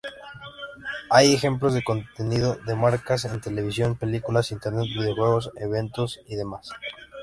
Hay ejemplos de contenido de marca en televisión, películas, Internet, videojuegos, eventos y demás.